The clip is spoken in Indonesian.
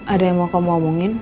ada yang mau kamu omongin